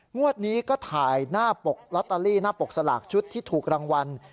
งวดนี้ก็ถ่ายหน้าปกลอตเตอรี่หน้าปกสลากชุดที่ถูกรางวัล